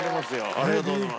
ありがとうございます。